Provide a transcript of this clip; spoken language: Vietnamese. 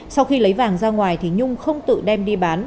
sau khi lấy vàng ra ngoài thì nhung không tự đem đi bán